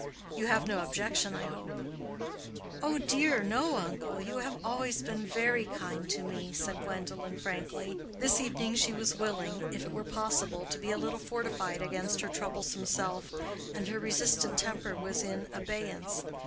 You have no objection, I hope?" "Oh dear, no, uncle. You have always been very kind to me," said Gwendolen, frankly. This evening she was willing, if it were possible, to be a little fortified against her troublesome self, and her resistant temper was in abeyance.